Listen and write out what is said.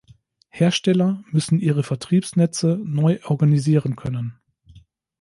Hersteller müssen ihre Vertriebsnetze neu organisieren können.